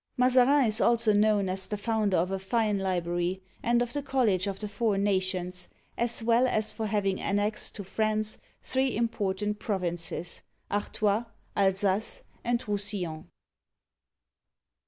Mazarin is also known as the founder of a fine library, and of the College of the Four Nations, as well as for hav ing annexed to France three important provinces (Artois, Alsace, and Roussillon).